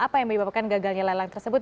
apa yang menyebabkan gagalnya lelang tersebut